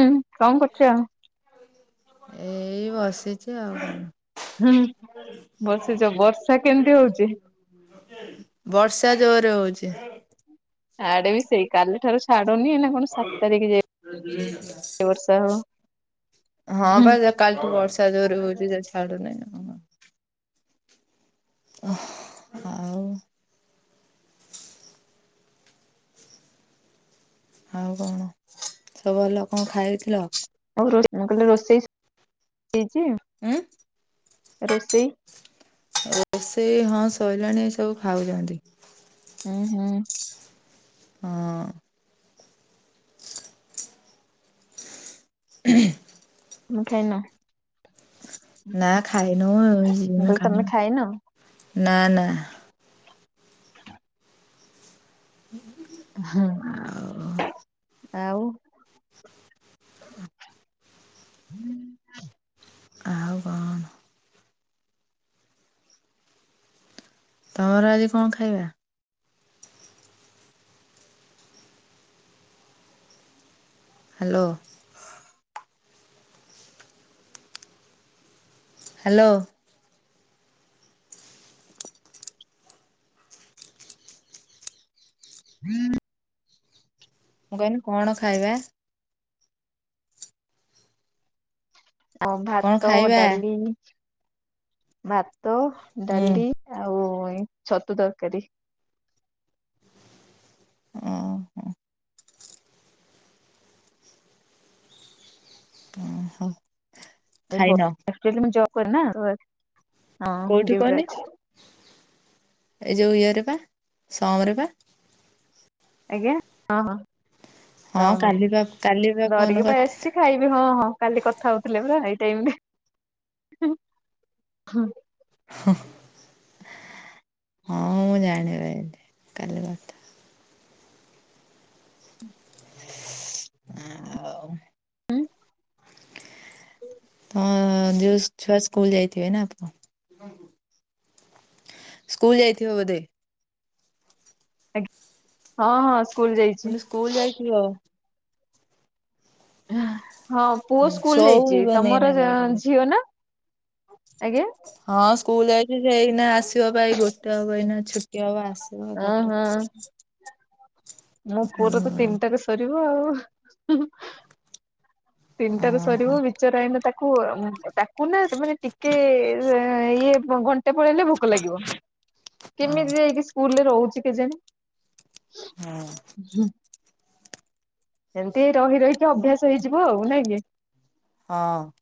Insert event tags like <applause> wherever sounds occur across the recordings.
ହୁଁ କଣ କରୁଚ? ଏଇ ବସିଚି ଆଉ। ହୁଁ ବସିଚ ବର୍ଷା କେମିତି ହଉଚି? ବର୍ଷା ଜୋରେ ହଉଚି। ଆଡେ ବି ସେଇ କାଲି ଠାରୁ ଛାଡୁନି ନା କଣ ସାତ ତାରିଖ ଯାଏ ବର୍ଷା ହବ। ହଁ ହୁଁ। ବା କାଲିଠୁ ବର୍ଷା ଜୋରରେ ହଉଚି ସେ ଛାଡୁନି। ଓ ଆଉ ଆଉ କଣ କହ ସବୁ ଭଲ କଣ ଖାଇଥିଲ? ଆଉ ମୁ କହିଲି ରୋଷେଇ ହେଇଛି ଉଁ ଆଉ ରୋଷେଇ? ରୋଷେଇ ହଁ ଶଇଲାଣି ଏ ସବୁ ଖାଉଛନ୍ତି। ହୁଁ ହୁଁ। ହଁ। ହ ତମେ ଖାଇନ? ନା ଖାଇନୁ ଆଉ ମୁଁ ଯିବୁ କହିଲି ତମେ ଖାଇବୁ ଖାଇନ? ନା ନା। ହୁଁ ହଁ ଆଉ ଆଉ କଣ? ତମର ଆଜି କଣ ଖାଇବା? ହ୍ୟାଲୋ। ହ୍ୟାଲୋ। ହୁଁ ମୁଁ କହିଲି କଣ ଖାଇବା? ଆଉ କଣ ଭାତ ଖାଇବା ଡାଲି ଭାତ ହୁଁ ଡାଲି ଆଉ ଏଇ ଛତୁ ତରକାରୀ। ଓ। ମୁଁ ଜବ କରେ ନା। କୋଉଠି ଡ୍ୟୁଟିରେ କହନି ଅଛି ଏଇ ଯୋଉ ଇଏରେ ପା ସମରେ ପା। ଆଜ୍ଞା ହଁ ହଁ। ହଁ କାଲି ବା କାଲି ବା ଧରିକି ଫୋନ ପଳେଇ ଆସିଛି କରିଥିଲି। ଖାଇବି ହଁ ହଁ କାଲି କଥା ହଉଥିଲେ ପରା ଏଇ ଟାଇମରେ। ହୁଁ। ହଁ ମୁଁ ଜାଣିପାଇଲି କାଲି କଥା ହେଉଥିଲେ। ହଁ ହଉ ହୁଁ। ହ ହଁ ଯୋଉ ଛୁଆ ସ୍କୁଲ ଯାଇଥିବେ ନା? ସ୍କୁଲ ଯାଇଥିବ ବୋଧେ। ଆଜ୍ଞା ହଁ ହଁ ସ୍କୁଲ ମାନେ ଯାଇଛି। ସ୍କୁଲ ଯାଇଥିବ। ହଁ ପୁଅ ସ୍କୁଲ ଯାଇଛି ଶୋଇବନି ଏଇନା ତମର କା ଝିଅ ନା ଆଜ୍ଞା। ହଁ ସ୍କୁଲ ଯାଇଛି ସେଇନା ଆସିବ ପାଇଁ ଗୋଟେ ହବ ଏଇନା ଛୁଟି ହବ ଆସ ଅଁ ହଁ <unintelligible> ମୋ ପୁଅର ତ ତିନିଟା‌ରେ ସରିବ ଆଉ। ତିନିଟାରୁ ଓହୋ ସରିବ ବିଚରା ଏଇନେ ତାକୁ ତା କୁନା ମାନେ ଟିକେ ଇଏ ଘଂ ଣ୍ଟେ ରହିଲେ ଭୋକ ଲାଗିବ କେମିତି ହଁ ଯାଇକି ସ୍କୁଲରେ ରହୁଚି କେଜାଣି। ହୁଁ। ଏମିତି ରହି ରହିକି ଅଭ୍ୟାସ ହେଇଯିବ ଆଉ ନା କି। ହଁ।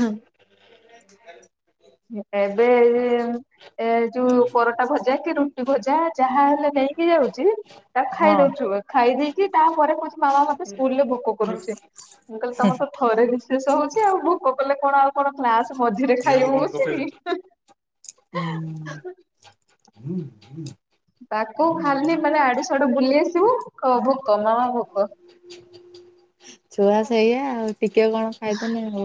ହୁଁ। <inaudible> <unintelligible> ଏ ଯଉ ପରଟା ଭଜା କି ରୁଟି ଭଜା ଯାହା ହେଲେ ନେଇକି ଯାଉଚି। ତାକୁ ଖାଇ ହଁ ଦଉଥିବ ଖାଇ ଦେଇକି ତାପରେ କହୁଚି ମାମା ମତେ ସ୍କୁଲରେ ଭୋକ କରୁଚି। ମୁଁ କହିଲେ ତମର ତ ଥରେ ରିସେସ୍ ହଉଚି ଆଉ ଭୋକ କଲେ କଣ ଆଉ କଣ କ୍ଲାସ୍ ମଝିରେ ଖାଇବୁ ବସ୍ ହ <inaudible> ତାକୁ ଖାଲି ମାନେ ଆଡୁ ସାଡୁ ବୁଲି ଆସିବ କହିବ ଭୋକ ମାମା ଭୋକ। ଛୁଆ ସେଇଆ ଆଉ। ଟିକେ କଣ ଖାଇଦେନେ ହଉ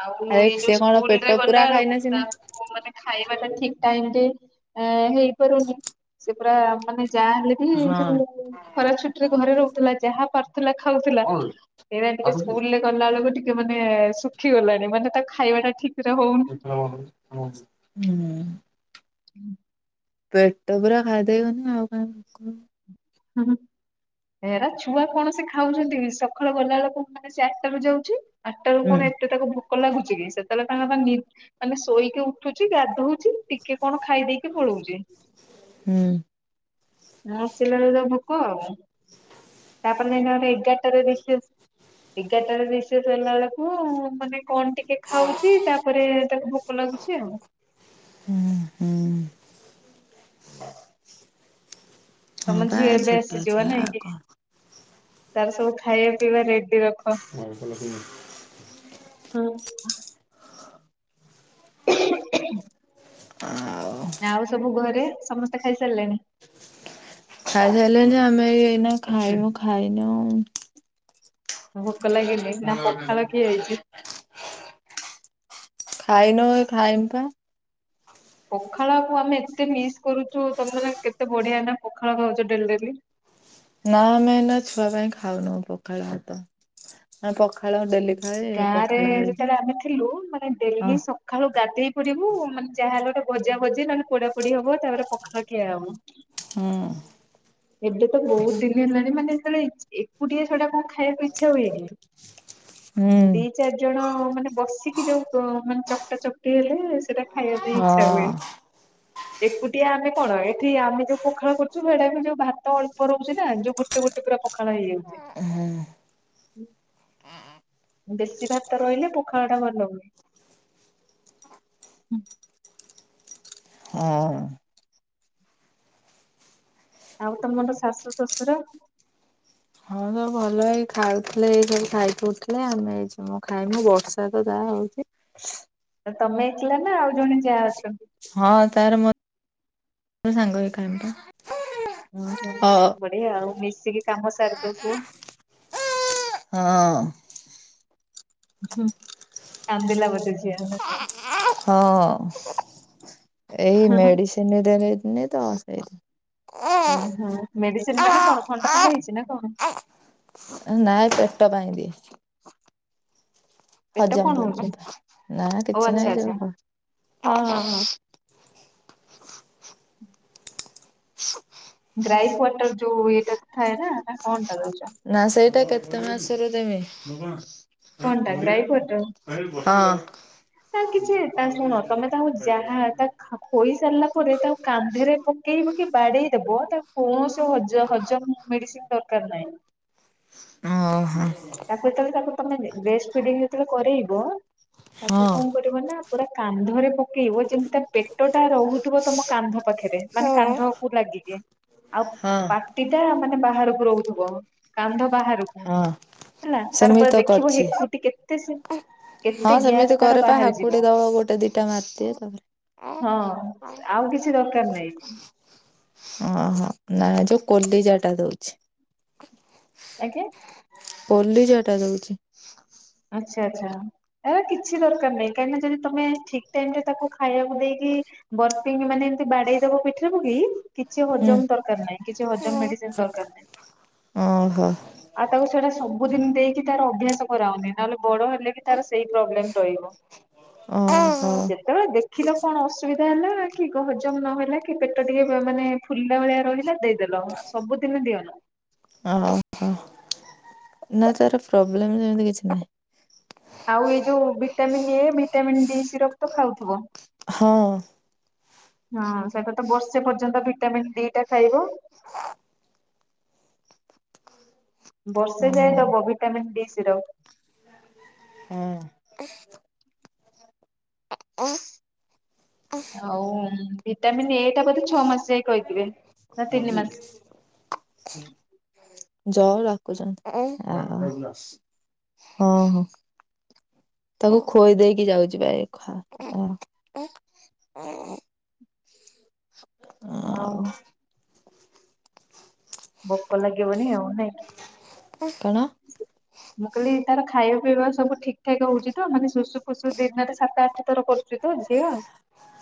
ଆଉ ସିଏ କଣ ପେଟ ପୁରା ଖାଇନେ ସିନା ହଁ- ମାନେ ଖାଇବା ଟା ଠିକ୍ ଟାଇମ୍ ରେ ଏଁ- ହେଇପାରୁନି ସେ ପୁରା ମାନେ ଯାହାଲେ ବି ଯଉ ହଁ। ଖରା ଛୁଟି ରେ ଘରେ ରହୁଥିଲା ଯାହା ପାରୁଥିଲା ଖାଉଥିଲା ସେଇଟା ଟିକେ ସ୍କୁଲ ରେ ଗଲା ବେଳକୁ ଟି ଟିକିଏ ମାନେ ଶୁଖି ଗଲାଣି ମାନେ ତା ଖାଇବା ଟା ଠିକ୍ ରେ ହଉ <inaudible> ହୁଁ ପେଟ ପୁରା ଖାଇଦେବନି ଆଉ କାଇଁ ଭୋକ। <inaudible> ଏରା ଛୁଆ କଣ ସେ ଖାଉଚନ୍ତି କି ସକାଳୁ ଗଲାବେଳକୁ ମାନେ ସେ ଆଠଟାରୁ ଯାଉଚି ଆଠଟାରୁ ହୁଁ କଣ ଏତେ ତାକୁ ଭୋକ ଲାଗୁଚି କି ସେତେବେଳେ ତାଙ୍କ ନି-ମାନେ ଶୋଇକି ଉଠ୍ ଉଠୁଚି ଗାଧଉଚି ଟିକେ କଣ ଖାଇଦେଇକି ପଳଉଚି। ହୁଁ। ଆଉ ଆସିଲାବେଳେ ଭୋକ ଆଉ ତାପରେ ଏଇନା ଏଗାର୍ ଟାରେ ରିସେସ୍ ଏଗାର୍ ଟାରେ ରିସେସ୍ ହେଲାବେଳକୁ ମାନେ କଣ୍ ଟିକେ ଖାଉଚି ତାପରେ ତାକୁ ଭୋକ ଲାଗୁଚି ଆଉ। ହୁଁ -ହୁଁ। ହଁ ତମ ବା ଝିଅ ଏବେ ଛୋଟ ଆସିଯିବ ଛୁଆ ନାଇଁ ଆଉ କି? କଣ ତାର ସବୁ ଖାଇବା ପିଇବା ରେଡି ରଖ। <inaudible> <inaudible> ଆଉ ସବୁ ଘରେ ସମସ୍ତେ ଖାଇସାରିଲେଣି? ଖାଇସାଇଲେଣିି ଆମେ ଏଇ-ଏଇନା ଖାଇବୁ ଖାଇନୁ। ଭୋକ ଲାଗିନି ନା ପଖାଳ ଖିଆ ହେଇଚି? ଖାଇନୁ ଏଇ ଖାଇମୁ ପା। ପଖାଳକୁ ଆମେ ଏତେ ମିସ୍ କରୁଚୁ ତମେମାନେ କେତେ ବଢିଆ ନା ପଖାଳ ଖାଉଚ ଡେଲି ଡେଲି। ନା ଏଇନା ଛୁଆ ପାଇଁ ଖାଉନୁ ପଖାଳ ଭାତ। ହଁ ପଖାଳ ହଣ୍ଡେ ଗାଁରେ ଯେତେଳେ ଆମେ ଥିଲୁ ମାନେ ହଁ ଡେଲି ସ ଖାଳୁ ଗାଧେଇ ପଡ଼ିବୁ ମାନେ ଯାହା ହେଲେ ଗୋଟେ ଭଜା ଭଜି ନହନେ ପୋଡ଼ା ପୋଡ଼ି ହବ ତାପରେ ପଖାଳ ଖିଆ ହବ। ହୁଁ। ଏବେ ତ ବହୁତ ଦିନ ହେଲାଣି ମାନେ ହେତେଳେ ଏ କୁଟିଆ ସେଡ଼ା କଁ ଖାଇବାକୁ ଇଚ୍ଛା ହୁଏ କି? ହୁଁ ଦି ଚାର ଜଣ ମାନେ ବସିକି ଯୋଉ ମାନେ ଚକଟା ଚକଟି ହେଲେ ସେଟା ଖାଇବା ପାଇଁ ହଁ ଇଚ୍ଛା ହୁଏ। ଏକୁଟିଆ ଆମେ କଣ ଏଠି ଆମେ ଯୋଉ ପୋଖାଳ କରୁଚୁ ହେଡ଼ା ବି ଯୋଉ ଭାତ ଅଳ୍ପ ରହୁଚି ନା ଯୋଉ ଗୋଟେ ଗୋଟେ ପୁରା ପଖାଳ ହେଇଯାଉଚି। ହୁଁ। ବେଶୀ ଭାତ ରହିଲେ ପଖାଳଟା ଭଲ ହୁଏ। ହଁ। ଆଉ ତମର ଶାଶୁ ଶ୍ୱଶୁର? ହଁ ସବୁ ଭଲ। ଏଇ ଖାଉଥୁଲେ ଏଇ ସବୁ ଖାଇକି ଉଠିଲେ। ଆମେ ଏଇ ଯିମୁ ଖାଇମୁ ବର୍ଷା ତ ଯାହା ହଉଚି। ଆଛା ଅ ତମେ ଏକଲା ନା ଆଉ ଜଣେ ଯାଆ ଅଛନ୍ତି? ହଁ ତାର ମୋ ଓ ସାଙ୍ଗ ହେଇ ଖାଇମୁ ପା। ଉଁ ହୁଁ ହ ବଢ଼ିଆ ଆଉ ମିଶିକି କାମ ସାରି ଦଉଥୁବ। ହଁ। ହୁଁ କାନ୍ଦିଲା ବୋଧେ ଝିଅ ନାଁ କଣ? ହଁ ଏଇ ମେଡ଼ିସିନ୍ ଦେନିନି ତ ସେଇ ଓହୋ ମେଡ଼ିସିନ୍ ମାନେ କଣ ଥଣ୍ଡା ଫଣ୍ଡା ହେଇଚି ନା କଣ? ଏ ନାଁ ଏ ପେଟ ପାଇଁ ଦି। ପେଟ ହଜମ କଣ ପାଇଁ ହଉଛି ବିନ୍ଧା ନାଁ ଓ କିଛି ନାଁ ଆଚ୍ଛା ଏଇ ଆଚ୍ଛା ଯୋଉ ହଁ ହଁ ହଁ। ହ। ଗ୍ରାଇଫ୍ ୱାଟର ଯୋଉ ଇଏଟା ଥାଏ ନା ନାଁ କଣଟା ଦୋଉଚ? ନାଁ ସେଇଟା କେତେ ମାସେରୁ ଦେମି? କଣଟା ହଁ। ତା କିଛି ତା ଶୁଣ ତମେ ତାକୁ ଯାହା ତା ଖା ଖୋଇ ସାରିଲା ପରେ ତାକୁ କାନ୍ଧେରେ ପକେଇ ପକେଇ ବାଡ଼େଇଦବ ତାକୁ କୌଣସି ଆଉ ହଜ ହଜମ ମେଡ଼ିସିନ୍ ଦର କାର ନାହିଁ। ଅଁହଁ। ତାକୁ ଏତଳେ ତାକୁ ତମେ ବ୍ରେଷ୍ଟ୍ ଫିଡିଙ୍ଗ୍ ଯେତଳେ କରେଇବ ତାକୁ ହଁ। କଁ କରିବ ନା ପୁରା କାନ୍ଧରେ ପକେଇବ ଯେମିତି ତା ପେଟଟା ରହୁଥୁବ ତମ କାନ୍ଧ ପାଖରେ ମାନେ କାନ୍ଧକୁ ଲାଗିକି। ଆଉ ହଁ ପାଟିଟା ମାନେ ବାହାରୁକୁ ରହୁଥୁବ କାନ୍ଧ ବାହାରୁ ଅଃ ହେଲା ତାର ପରେ ଦେଖିବ ହେକୁଟି କେତେ ସେ କେତେ ହଁ ଗ୍ୟାସ ସେମିତି ତାର କରେ ପା ବାହାରି ଯିବ ହାକୁଟି ଦବ ଗୋଟେ ଦିଟା ମାରିଦିଏ ତାପରେ ହଁ ଆଉ କିଛି ଦରକାର ନାହିଁ। ଓହୋ ନାଁ ଯୋଉ କୋଲିଜାଟା ଦଉଛି। ଆଜ୍ଞା? କୋଲିଜାଟା ଦଉଚି। ଆଚ୍ଛା ଆଚ୍ଛା। ଏ କିଛି ଦରକାର ନାହିଁ କାହିଁକି ନା ଯଦି ତମେ ଠିକ ଟାଇମ ରେ ତାକୁ ଖାଇବାକୁ ଦେଇକି। ବର୍ପିଙ୍ଗ ମାନେ ଏମିତି ବାଡେଇ ଦବ ପିଠିରେ ପକେଇ। କିଛି ହୁଁ ହଜମ ଦରକାର ନାହିଁ କିଛି ହଜମ ମେଡିସିନ ଦରକାର ନାହିଁ। ଓହୋ ଆଉ ତାକୁ ସେଇଟା ସବୁଦିନ ଦେଇକି ତାର ଅଭ୍ୟାସ କରାଅନି ନହେଲେ ବଡ ହେଲେ। ତାର ସେଇ ପ୍ରୋବ୍ଲେମ ରହିବ ଓହୋ ଯେ <unintelligible> ଦେଖିଲ କଣ ଅସୁବିଧା ହେଲା କି କ ହଜମ ନହେଲା କି ପେଟ ଟିକେ କ ମାନେ। ଫୁଲିଲା ଭଳିଆ ରହିଲା ଦେଇଦେଲ ସବୁଦିନ ଦିଅନ। ଓହୋ ହୋ ନା ତାର ପ୍ରୋବ୍ଲେମ ସେମିତି କିଛି ନାହିଁ। ଆଉ ଏଇ ଯୋଉ vitamin A vitamin D syrup ତ ଖାଉଥିବ। ହଁ। ହଁ ସେଇଟା ତ ବର୍ଷେ ପର୍ଯ୍ୟନ୍ତ ଭିଟାମିନ୍ ଡି ଟା ଖାଇବ। ଓ। ବର୍ଷେ ଯାଏ ଦବ ଭିଟାମିିନ ଡି ସିରପ୍। ହଁ। ଆଉ ଭିଟାମିିନ ଏ ଟା ବୋଧେ ଛଅ ମାସ ଯାଏ କହିଥିବେ ନା ତିନି ମାସ। ଜଅ ଡାକୁଛନ୍ତି ଆ ହଁ ହଁ। ତାକୁ ଖୋଏଇ ଦେଇକି ଯାଉଛି ପା ଏ ଖା ଆ। ଆଉ। ଭୋକ ଲାଗିବଣି ଆଉ ନାଇଁ। କଣ? ସ୍। ମୁଁ କହିଲି ତାର ଖାଇବା ପିଇବା ସବୁ ଠିକ ଠାକ ହଉଛି ତ ମାନେ ଶୁଶୁ ଫୁସୁ ଦିନରେ ସାତ, ଆଠ ଥର କରୁ ଚି ତ ଝିଅ।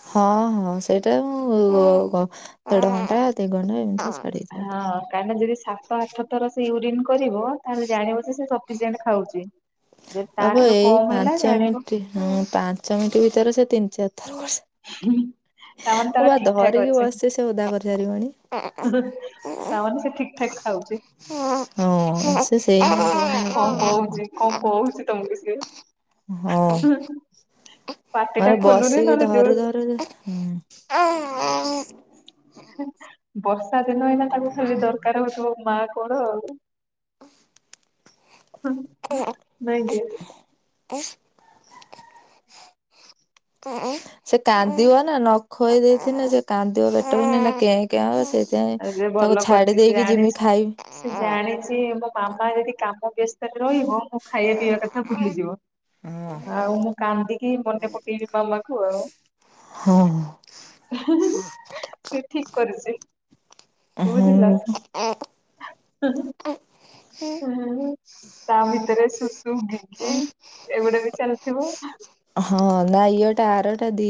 ହଁ ହଁ ସେଇଟା ମୁଁ ଅ ଦେଢ ଘଣ୍ଟା ଦି ଘଣ୍ଟା ଏମିତି ଛାଡିକି ହଁ। ଯାଉଛି। କାହିଁକି ନା ଯଦି ସାତ, ଆଠ ଥର ସେ ୟୁରିନ କରିବ ତାହେଲେ ଜାଣିବ ଯେ ସିଏ ସଫିସିଏଣ୍ଟ ଖାଉଛି। ଯଦି ତା ହଁ ପା ଠାରୁ ଏଇ କମ ହେଲା ପାଞ୍ଚ ଜାଣିବ ମିଣ୍ଟି ହଁ ପାଞ୍ଚ ମିଣ୍ଟି ଭିତରେ ସେ ତିନି, ଚାରି ଥର କରସ ହୁଁ ତାମାନେ ତାର ଠିକଠାକ ଅ ବସିଚି ସେ ଓଦା କରିସାରିବଣି। ତାମାନେ ସେ ଠିକ ଠାକ ଖାଉଛି। ହଁ ସେ ସେଇ <inaudible> କଣ କହୁଛି କଣ କହୁଛି ତମକୁ ସିଏ। ହଁ ପାଟି ଟା ମାନେ ଖୋଲୁନି ବସିକି ନହେଲେ ଧରୁ ଯୋଉ ଧରୁ ହୁଁ। ହେଁ ବର୍ଷା ଦିନ ଏଇନା ତାକୁ ଖାଲି ଦରକାର ହଉଥିବ ମା କୋଳ ଆଉ। <unintelligible> ଉ ନାଇଁ କି ଉ ସେ କାନ୍ଦିବ ନା ନ ଖୋଇ ଦେଇଥିନେ ସେ କାନ୍ଦିବ ବେଟର ନି ନା କେଁ କାଁ ହବ ସେ ଚାହେଁ ଆଉ ସେ ଭଲ ତାକୁ କରିଛି ଛାଡି ସେ ଦେଇକି ଯିମି ଜାଣିଛି। ଖାଇ ସେ ଜାଣିଛି ମୋ ମାମା ଯଦି କାମ ବ୍ୟସ୍ତରେ ରହିବ ମୋ ଖାଇବା ପିଇବା କଥା ଭୁଲିଯିବ। ଆଉ ମୁଁ କାନ୍ଦିକି ମନେ ପକେଇବି ମାମା କୁ ଆଉ। ହଁ। ହାଁ ହାଁ ହାଁ ସେ ଠିକ କରୁଛି। କଉ ହୁଁ ଜିଲ୍ଲା ଏଁ <unintelligible> ତା ଭିତରେ ଶୁଶୁ ଗିଗି ଏଗୁଡା ବି ଚାଲିଥିବ। ହଁ ନା ଇଏଟା ଆରଟା ଦି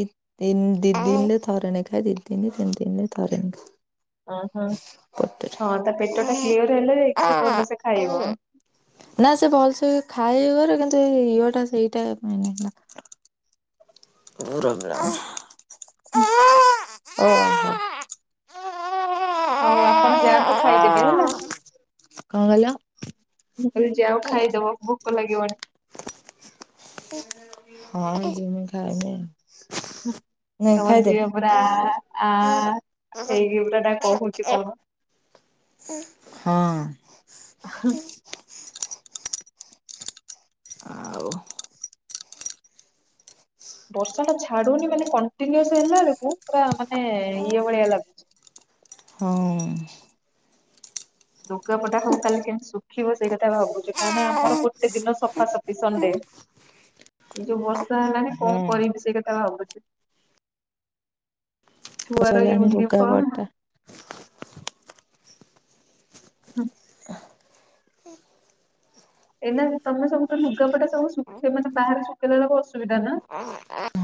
ଦିଦିନରେ ଥରେ ନେଖାଏ ଦି ଦିନି ତିନି ଦିନରେ ଥରେ ନେଖା। ଓହୋ ପଟରେ। ହଁ ତା ପେଟ ଟା କ୍ଲିଅର ହେଲେ ଯାଇକି ସେ ଭଲସେ ଖାଇବ। ନା ସେ ଭଲସେ ଖାଇ ଘରେ କିନ୍ତୁ ସେ ଇଅ ଟା ସେଇଟା <unintelligible> ହୁଁ। ଓହୋ। ହଉ ଆପଣ ଯାଆନ୍ତୁ ଖାଇଦେବେ ହେଲା? କଣ କହିଲ? ମୁଁ କହିଲି ଯାଓ ଖାଇଦବ ଭୋକ ଲାଗିବଣିି? ହୁଁ। ହଁ ମୁଁ ଜିମି ଖାଇବି। ହ ତମ ଝିଅ ପୁରା ଆ ଆ ହେଇକି ପୁରା ଟା କହୁଛି କଣ? ହଁ। ହୁଁ। ଆଉ ବର୍ଷା ଟା ଛାଡୁନି ମାନେ କଣ୍ଟିନୁଅସ ହେଲା ବେଳକୁ ପୁରା ମାନେ ଇଏ ଭଳିଆ ଲାଗୁଛି। ହଁ। ଲୁଗାପଟା ହଉ କାଲି କେମିତି ଶୁଖିବ ସେଇ କଥା ଭାବୁଛି କାଁକ ନା ଆମର ଗୋଟେ ଦିନ ସଫାସଫି ସଣ୍ଡେ। ଏଇ ଯୋଉ ବର୍ଷା ହେଲାଣି କଣ କରିବି ସେଇ କଥା ଭାବୁଛି। ଛୁଆ ର ପଚିଗଲାଣି ୟୁନିଫୋର୍ମ ଲୁଗାପଟା ହଁ। ଏଇ ନା ତମେ ସବୁଠୁ ଲୁଗାପଟା ସବୁ ଶୁଖେଇ ମାନେ ବାହାରେ ଶୁଖେଇଲା ବେକୁ ଅସୁବିଧା ନା?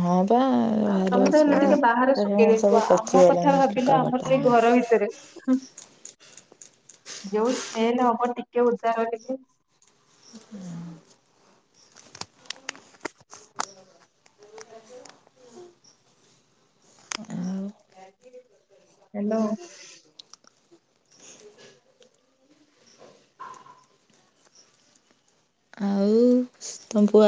ହଁ ବା ଆ ଭାରି ତମେ ତ ହେଲେ ଟିକେ ବାହାରେ ଅସୁବିଧା ଶୁଖେଇ ସବୁ ଦେଇଥିବ ଆମ କଥା ପଚିଗଲାଣି ଭାବିଲା ଆମର ଲୁଗାପଟା ସେଇ ଘର ଭିତରେ। ହୁଁ ଯୋଉ ସ୍ନେଲ ହବ ଟିକେ ଓଦା ରହିକି ଆଉ ହ୍ୟାଲୋ। ଆଉ ତମ ପୁଆ